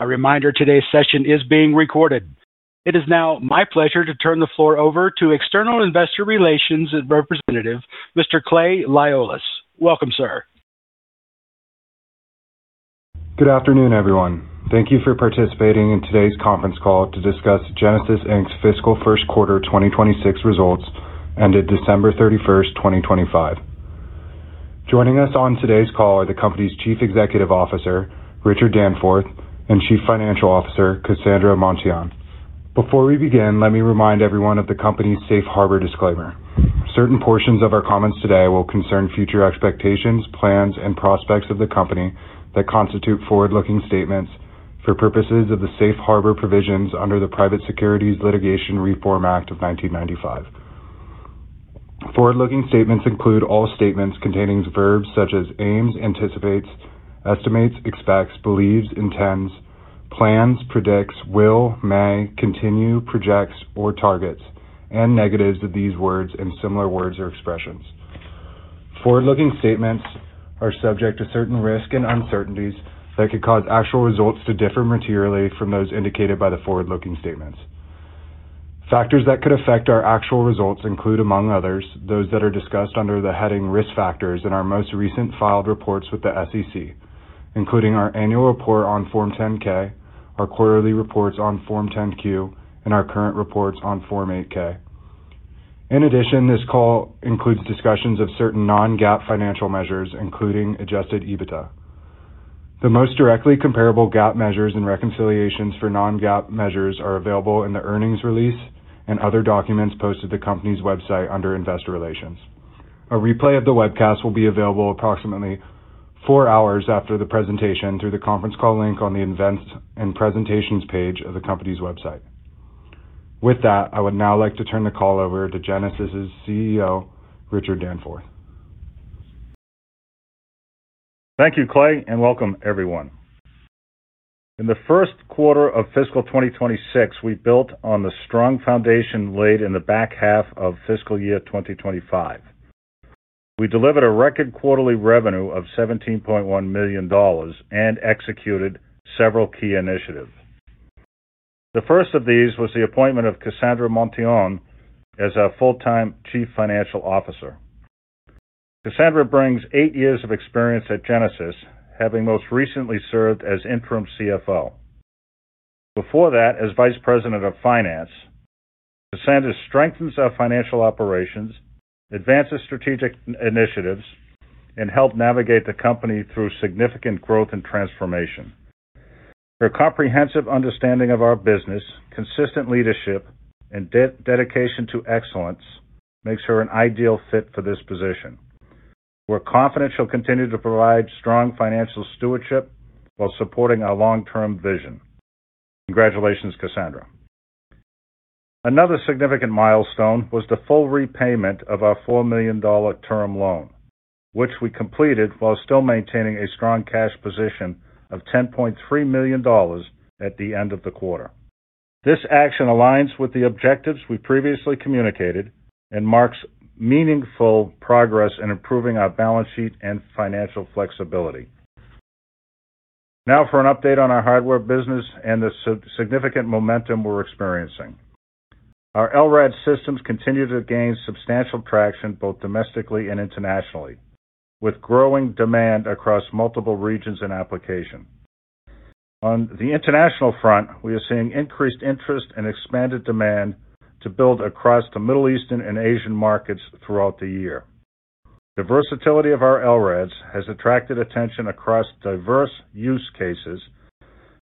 A reminder: today's session is being recorded. It is now my pleasure to turn the floor over to External Investor Relations Representative, Mr. Clay Laiolis. Welcome, sir. Good afternoon, everyone. Thank you for participating in today's conference call to discuss Genasys Inc.'s fiscal Q1 2026 results ended December 31, 2025. Joining us on today's call are the company's Chief Executive Officer, Richard Danforth, and Chief Financial Officer, Cassandra Monteon. Before we begin, let me remind everyone of the company's Safe Harbor disclaimer. Certain portions of our comments today will concern future expectations, plans, and prospects of the company that constitute forward-looking statements for purposes of the Safe Harbor provisions under the Private Securities Litigation Reform Act of 1995. Forward-looking statements include all statements containing verbs such as aims, anticipates, estimates, expects, believes, intends, plans, predicts, will, may, continue, projects, or targets, and negatives of these words and similar words or expressions. Forward-looking statements are subject to certain risk and uncertainties that could cause actual results to differ materially from those indicated by the forward-looking statements. Factors that could affect our actual results include, among others, those that are discussed under the heading Risk Factors in our most recent filed reports with the SEC, including our annual report on Form 10-K, our quarterly reports on Form 10-Q, and our current reports on Form 8-K. In addition, this call includes discussions of certain non-GAAP financial measures, including Adjusted EBITDA. The most directly comparable GAAP measures and reconciliations for non-GAAP measures are available in the earnings release and other documents posted at the company's website under Investor Relations. A replay of the webcast will be available approximately four hours after the presentation through the conference call link on the Events and Presentations page of the company's website. With that, I would now like to turn the call over to Genasys's CEO, Richard Danforth. Thank you, Clay, and welcome, everyone. In the Q1 of fiscal 2026, we built on the strong foundation laid in the back half of fiscal year 2025. We delivered a record quarterly revenue of $17.1 million and executed several key initiatives. The first of these was the appointment of Cassandra Monteon as our full-time Chief Financial Officer. Cassandra brings eight years of experience at Genasys, having most recently served as interim CFO. Before that, as Vice President of Finance, Cassandra strengthens our financial operations, advances strategic initiatives, and helped navigate the company through significant growth and transformation. Her comprehensive understanding of our business, consistent leadership, and dedication to excellence makes her an ideal fit for this position. We're confident she'll continue to provide strong financial stewardship while supporting our long-term vision. Congratulations, Cassandra. Another significant milestone was the full repayment of our $4 million term loan, which we completed while still maintaining a strong cash position of $10.3 million at the end of the quarter. This action aligns with the objectives we previously communicated and marks meaningful progress in improving our balance sheet and financial flexibility. Now for an update on our hardware business and the significant momentum we're experiencing. Our LRAD systems continue to gain substantial traction both domestically and internationally, with growing demand across multiple regions and applications. On the international front, we are seeing increased interest and expanded demand to build across the Middle Eastern and Asian markets throughout the year. The versatility of our LRADs has attracted attention across diverse use cases,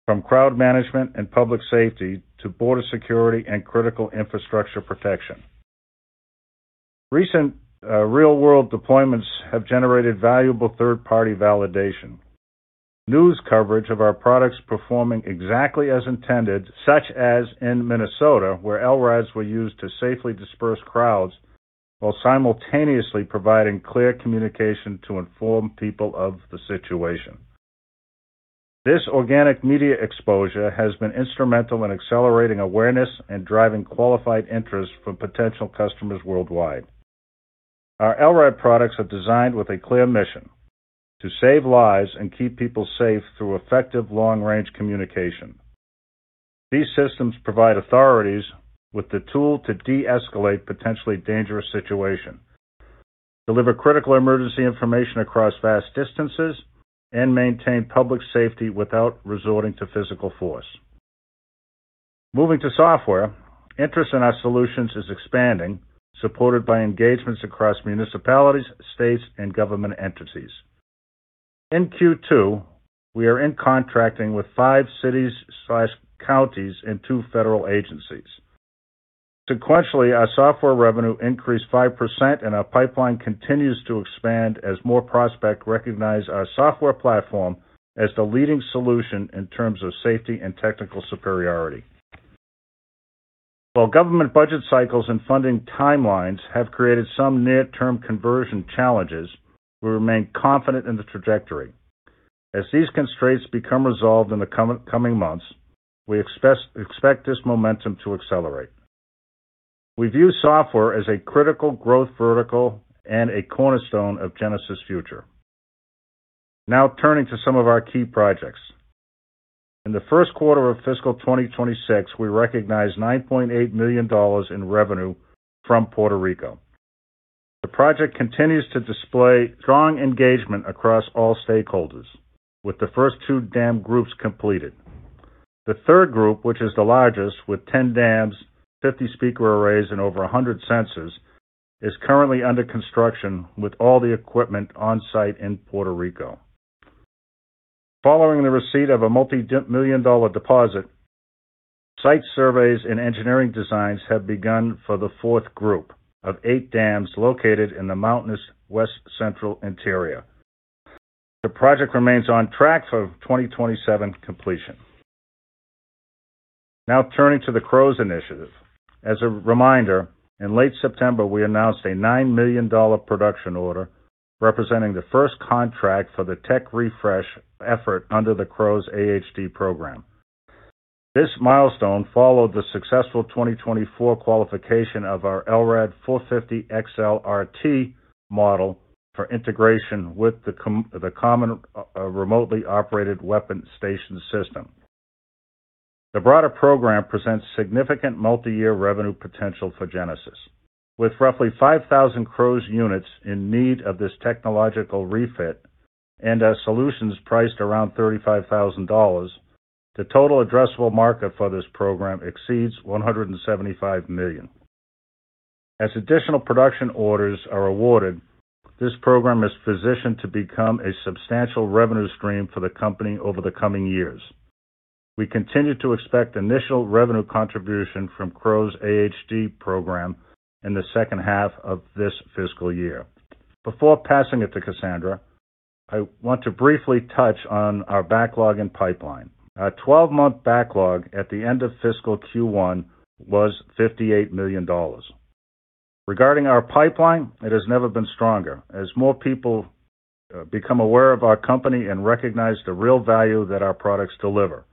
from crowd management and public safety to border security and critical infrastructure protection. Recent real-world deployments have generated valuable third-party validation. News coverage of our products performing exactly as intended, such as in Minnesota, where LRADs were used to safely disperse crowds while simultaneously providing clear communication to inform people of the situation. This organic media exposure has been instrumental in accelerating awareness and driving qualified interest from potential customers worldwide. Our LRAD products are designed with a clear mission: to save lives and keep people safe through effective long-range communication. These systems provide authorities with the tool to de-escalate potentially dangerous situations, deliver critical emergency information across vast distances, and maintain public safety without resorting to physical force. Moving to software, interest in our solutions is expanding, supported by engagements across municipalities, states, and government entities. In Q2, we are in contracting with 5 cities/counties and 2 federal agencies. Sequentially, our software revenue increased 5%, and our pipeline continues to expand as more prospects recognize our software platform as the leading solution in terms of safety and technical superiority. While government budget cycles and funding timelines have created some near-term conversion challenges, we remain confident in the trajectory. As these constraints become resolved in the coming months, we expect this momentum to accelerate. We view software as a critical growth vertical and a cornerstone of Genasys' future. Now turning to some of our key projects. In the Q1 of fiscal 2026, we recognized $9.8 million in revenue from Puerto Rico. The project continues to display strong engagement across all stakeholders, with the first two dam groups completed. The third group, which is the largest, with 10 dams, 50 speaker arrays, and over 100 sensors, is currently under construction with all the equipment on site in Puerto Rico. Following the receipt of a multi-million dollar deposit, site surveys and engineering designs have begun for the fourth group of eight dams located in the mountainous west-central interior. The project remains on track for 2027 completion. Now turning to the CROWS initiative. As a reminder, in late September, we announced a $9 million production order representing the first contract for the tech refresh effort under the CROWS AHD program. This milestone followed the successful 2024 qualification of our LRAD 450XL model for integration with the Common Remotely Operated Weapon Station system. The broader program presents significant multi-year revenue potential for Genasys. With roughly 5,000 CROWS units in need of this technological refit and solutions priced around $35,000, the total addressable market for this program exceeds $175 million. As additional production orders are awarded, this program is positioned to become a substantial revenue stream for the company over the coming years. We continue to expect initial revenue contribution from CROWS-AHD program in the second half of this fiscal year. Before passing it to Cassandra, I want to briefly touch on our backlog and pipeline. Our 12-month backlog at the end of fiscal Q1 was $58 million. Regarding our pipeline, it has never been stronger. As more people become aware of our company and recognize the real value that our products deliver,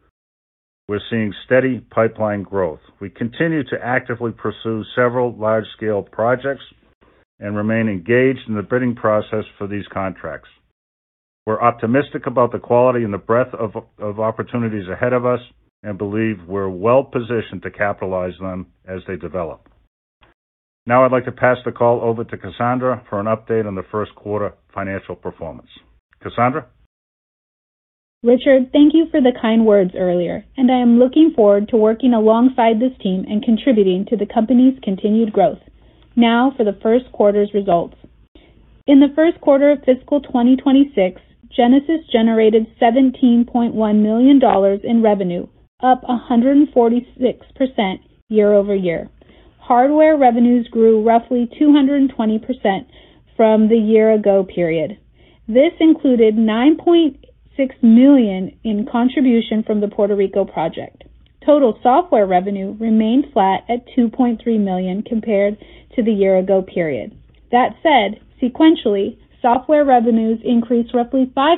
we're seeing steady pipeline growth. We continue to actively pursue several large-scale projects and remain engaged in the bidding process for these contracts. We're optimistic about the quality and the breadth of opportunities ahead of us and believe we're well positioned to capitalize them as they develop. Now I'd like to pass the call over to Cassandra for an update on the Q1 financial performance. Cassandra? Richard, thank you for the kind words earlier, and I am looking forward to working alongside this team and contributing to the company's continued growth. Now for the Q1 results. In the Q1 of fiscal 2026, Genasys generated $17.1 million in revenue, up 146% year-over-year. Hardware revenues grew roughly 220% from the year-ago period. This included $9.6 million in contribution from the Puerto Rico project. Total software revenue remained flat at $2.3 million compared to the year-ago period. That said, sequentially, software revenues increased roughly 5%,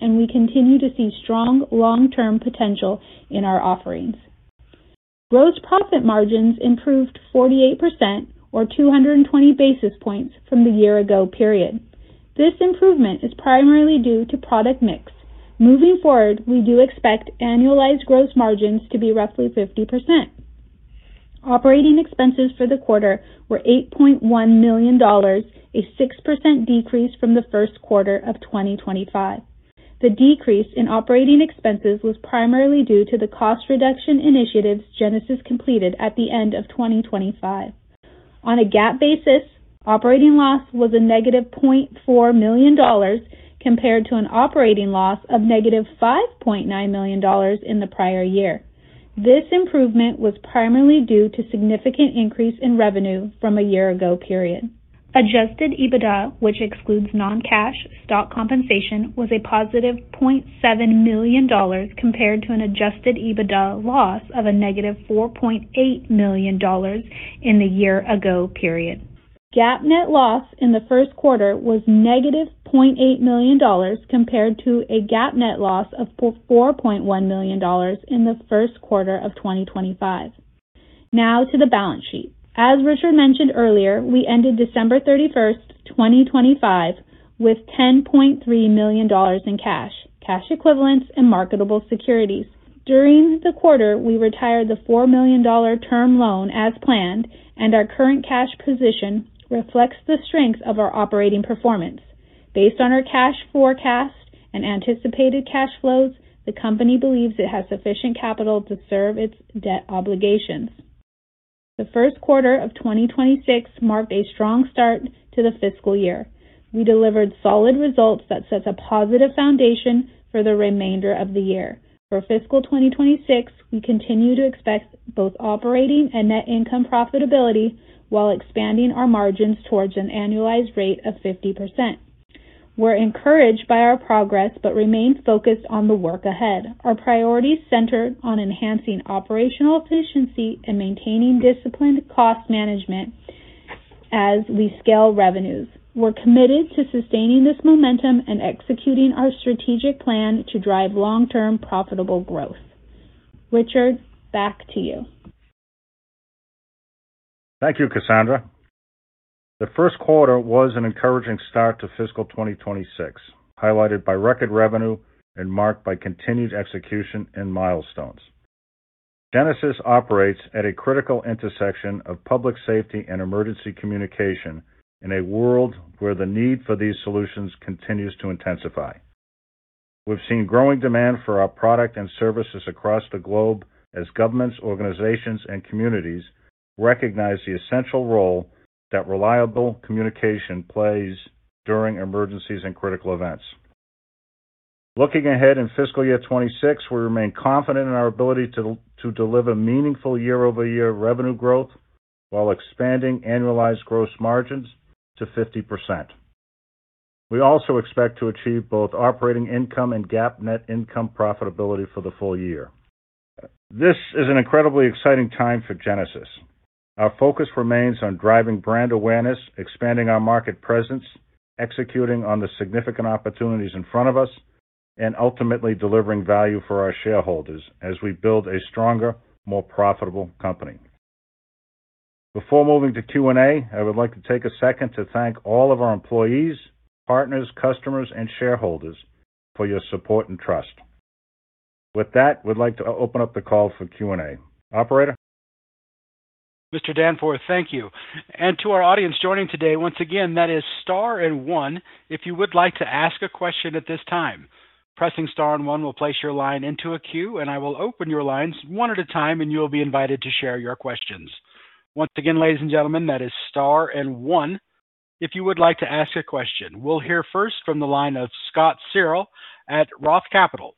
and we continue to see strong long-term potential in our offerings. Gross profit margins improved 48%, or 220 basis points, from the year-ago period. This improvement is primarily due to product mix. Moving forward, we do expect annualized gross margins to be roughly 50%. Operating expenses for the quarter were $8.1 million, a 6% decrease from the Q1 of 2025. The decrease in operating expenses was primarily due to the cost reduction initiatives Genasys completed at the end of 2025. On a GAAP basis, operating loss was a negative $0.4 million compared to an operating loss of negative $5.9 million in the prior year. This improvement was primarily due to significant increase in revenue from a year-ago period. Adjusted EBITDA, which excludes non-cash stock compensation, was a positive $0.7 million compared to an adjusted EBITDA loss of a negative $4.8 million in the year-ago period. GAAP net loss in the Q1 was negative $0.8 million compared to a GAAP net loss of $4.1 million in the Q1 of 2025. Now to the balance sheet. As Richard mentioned earlier, we ended December 31, 2025, with $10.3 million in cash, cash equivalents, and marketable securities. During the quarter, we retired the $4 million term loan as planned, and our current cash position reflects the strength of our operating performance. Based on our cash forecast and anticipated cash flows, the company believes it has sufficient capital to serve its debt obligations. The Q1 of 2026 marked a strong start to the fiscal year. We delivered solid results that set a positive foundation for the remainder of the year. For fiscal 2026, we continue to expect both operating and net income profitability while expanding our margins towards an annualized rate of 50%. We're encouraged by our progress but remain focused on the work ahead. Our priorities center on enhancing operational efficiency and maintaining disciplined cost management as we scale revenues. We're committed to sustaining this momentum and executing our strategic plan to drive long-term profitable growth. Richard, back to you. Thank you, Cassandra. The Q1 was an encouraging start to fiscal 2026, highlighted by record revenue and marked by continued execution and milestones. Genasys operates at a critical intersection of public safety and emergency communication in a world where the need for these solutions continues to intensify. We've seen growing demand for our product and services across the globe as governments, organizations, and communities recognize the essential role that reliable communication plays during emergencies and critical events. Looking ahead in fiscal year 2026, we remain confident in our ability to deliver meaningful year-over-year revenue growth while expanding annualized gross margins to 50%. We also expect to achieve both operating income and GAAP net income profitability for the full year. This is an incredibly exciting time for Genasys. Our focus remains on driving brand awareness, expanding our market presence, executing on the significant opportunities in front of us, and ultimately delivering value for our shareholders as we build a stronger, more profitable company. Before moving to Q&A, I would like to take a second to thank all of our employees, partners, customers, and shareholders for your support and trust. With that, we'd like to open up the call for Q&A. Operator? Mr. Danforth, thank you. To our audience joining today, once again, that is star and one if you would like to ask a question at this time. Pressing star and one will place your line into a queue, and I will open your lines one at a time, and you'll be invited to share your questions. Once again, ladies and gentlemen, that is star and one if you would like to ask a question. We'll hear first from the line of Scott Searle at Roth Capital.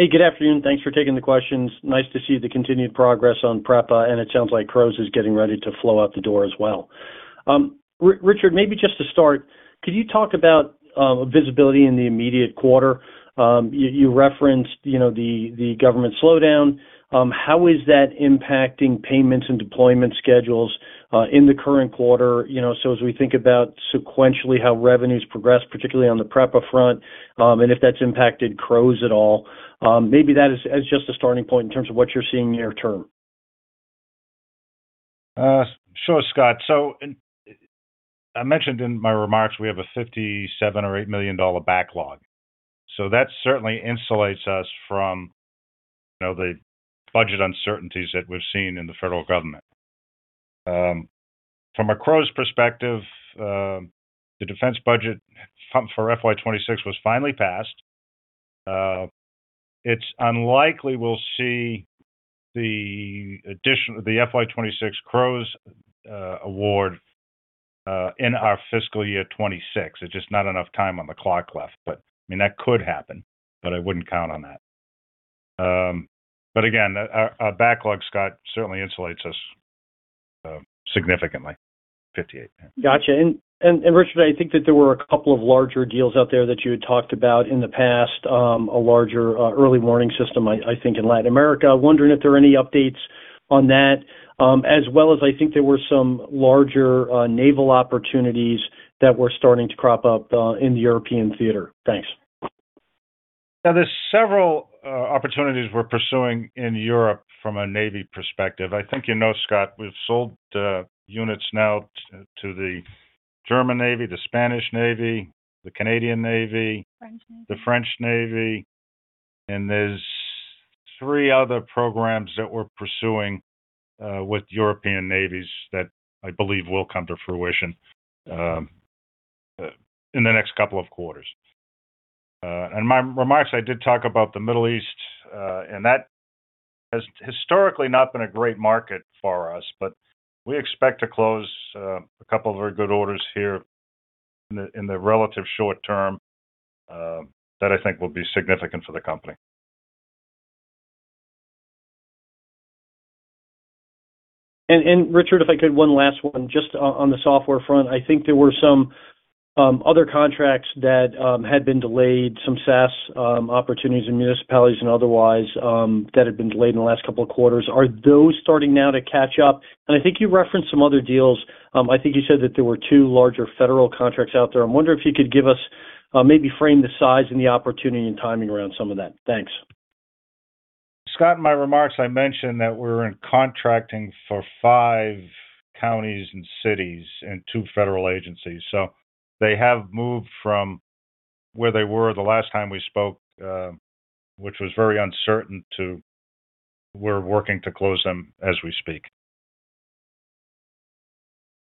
Hey, good afternoon. Thanks for taking the questions. Nice to see the continued progress on PREPA, and it sounds like CROWS is getting ready to flow out the door as well. Richard, maybe just to start, could you talk about visibility in the immediate quarter? You referenced the government slowdown. How is that impacting payments and deployment schedules in the current quarter? So as we think about sequentially how revenues progress, particularly on the PREPA front, and if that's impacted CROWS at all, maybe that is just a starting point in terms of what you're seeing near term. Sure, Scott. So I mentioned in my remarks we have a $57- or $58-million backlog. So that certainly insulates us from the budget uncertainties that we've seen in the federal government. From a CROWS perspective, the defense budget for FY 2026 was finally passed. It's unlikely we'll see the FY 2026 CROWS award in our fiscal year 2026. There's just not enough time on the clock left. But I mean, that could happen, but I wouldn't count on that. But again, our backlog, Scott, certainly insulates us significantly. Gotcha. Richard, I think that there were a couple of larger deals out there that you had talked about in the past, a larger early warning system, I think, in Latin America. Wondering if there are any updates on that, as well as I think there were some larger naval opportunities that were starting to crop up in the European theater. Thanks. Now, there's several opportunities we're pursuing in Europe from a navy perspective. I think you know, Scott, we've sold units now to the German Navy, the Spanish Navy, the Canadian Navy. French Navy. The French Navy. There's three other programs that we're pursuing with European navies that I believe will come to fruition in the next couple of quarters. In my remarks, I did talk about the Middle East, and that has historically not been a great market for us. But we expect to close a couple of very good orders here in the relative short term that I think will be significant for the company. Richard, if I could, one last one. Just on the software front, I think there were some other contracts that had been delayed, some SaaS opportunities in municipalities and otherwise that had been delayed in the last couple of quarters. Are those starting now to catch up? And I think you referenced some other deals. I think you said that there were two larger federal contracts out there. I'm wondering if you could give us maybe frame the size and the opportunity and timing around some of that. Thanks. Scott, in my remarks, I mentioned that we're contracting for five counties and cities and two federal agencies. They have moved from where they were the last time we spoke, which was very uncertain, to we're working to close them as we speak.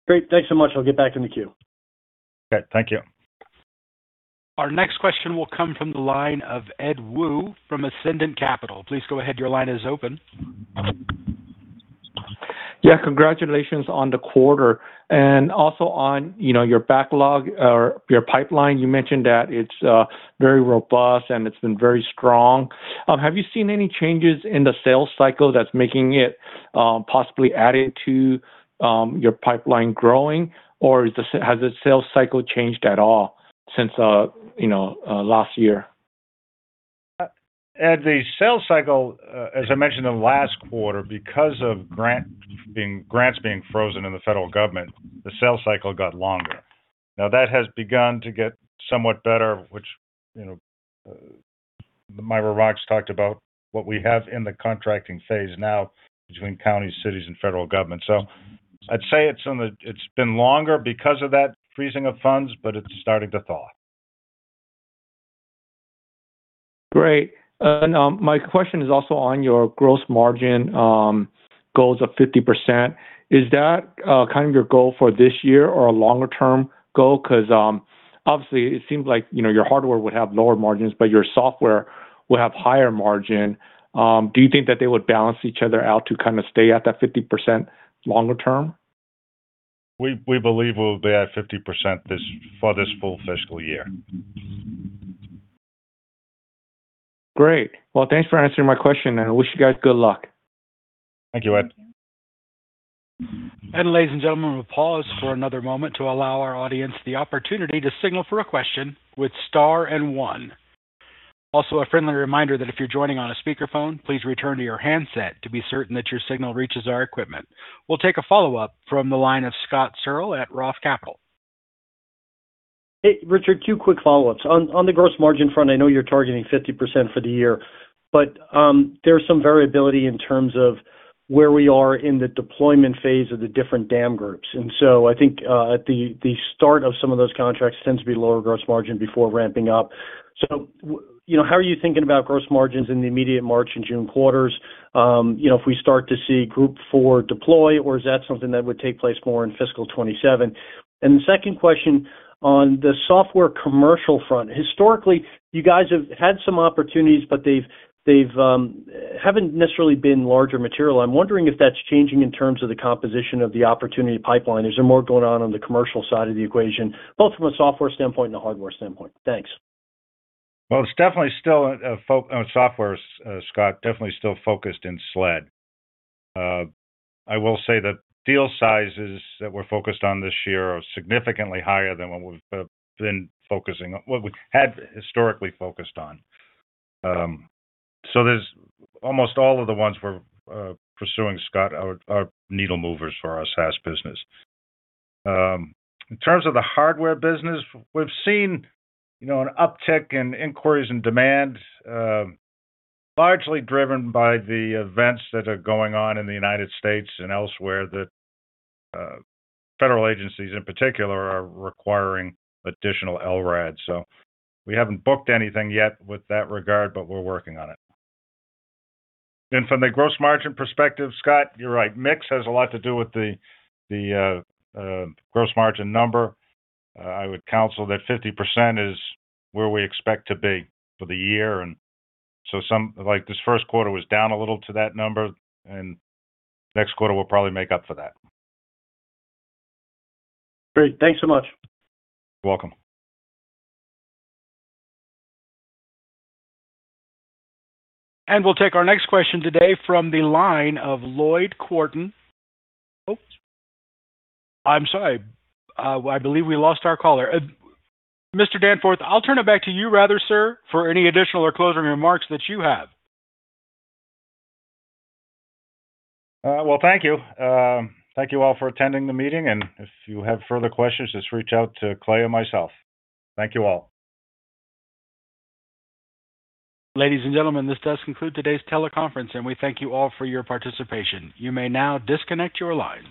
Great. Thanks so much. I'll get back in the queue. Okay. Thank you. Our next question will come from the line of Ed Woo from Ascendiant Capital. Please go ahead. Your line is open. Yeah. Congratulations on the quarter and also on your backlog or your pipeline. You mentioned that it's very robust and it's been very strong. Have you seen any changes in the sales cycle that's making it possibly added to your pipeline growing, or has the sales cycle changed at all since last year? At the sales cycle, as I mentioned in the last quarter, because of grants being frozen in the federal government, the sales cycle got longer. Now, that has begun to get somewhat better, which my remarks talked about what we have in the contracting phase now between counties, cities, and federal government. So I'd say it's been longer because of that freezing of funds, but it's starting to thaw. Great. My question is also on your gross margin goals of 50%. Is that kind of your goal for this year or a longer-term goal? Because obviously, it seems like your hardware would have lower margins, but your software would have higher margin. Do you think that they would balance each other out to kind of stay at that 50% longer term? We believe we'll be at 50% for this full fiscal year. Great. Well, thanks for answering my question, and I wish you guys good luck. Thank you, Ed. Ladies and gentlemen, we'll pause for another moment to allow our audience the opportunity to signal for a question with star and one. Also, a friendly reminder that if you're joining on a speakerphone, please return to your handset to be certain that your signal reaches our equipment. We'll take a follow-up from the line of Scott Searle at Roth Capital. Hey, Richard, two quick follow-ups. On the gross margin front, I know you're targeting 50% for the year, but there's some variability in terms of where we are in the deployment phase of the different dam groups. And so I think at the start of some of those contracts, it tends to be lower gross margin before ramping up. So how are you thinking about gross margins in the immediate March and June quarters? If we start to see group four deploy, or is that something that would take place more in fiscal 2027? And the second question, on the software commercial front, historically, you guys have had some opportunities, but they haven't necessarily been larger material. I'm wondering if that's changing in terms of the composition of the opportunity pipeline. Is there more going on on the commercial side of the equation, both from a software standpoint and a hardware standpoint? Thanks. Well, it's definitely still software, Scott, definitely still focused in SLED. I will say that deal sizes that we're focused on this year are significantly higher than what we've been focusing on what we had historically focused on. So almost all of the ones we're pursuing, Scott, are needle movers for our SaaS business. In terms of the hardware business, we've seen an uptick in inquiries and demand, largely driven by the events that are going on in the United States and elsewhere that federal agencies in particular are requiring additional LRADs. So we haven't booked anything yet with that regard, but we're working on it. And from the gross margin perspective, Scott, you're right. Mix has a lot to do with the gross margin number. I would counsel that 50% is where we expect to be for the year. And so this Q1 was down a little to that number, and next quarter will probably make up for that. Great. Thanks so much. You're welcome. We'll take our next question today from the line of Lloyd Quarton. Oh. I'm sorry. I believe we lost our caller. Mr. Danforth, I'll turn it back to you rather, sir, for any additional or closing remarks that you have. Well, thank you. Thank you all for attending the meeting. If you have further questions, just reach out to Clay or myself. Thank you all. Ladies and gentlemen, this does conclude today's teleconference, and we thank you all for your participation. You may now disconnect your lines.